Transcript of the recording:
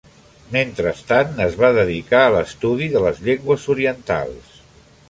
Mentrestant es va dedicar a l'estudi de les llengües orientals.